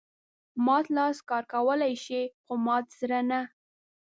مات لاس کار کولای شي خو مات زړه نه.